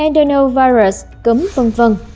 endoinovirus cấm vân vân